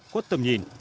quất tầm nhìn